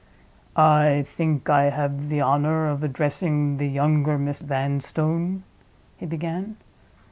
"I think I have the honor of addressing the younger Miss Vanstone?" he began.